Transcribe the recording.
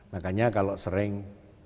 makanya kalau sering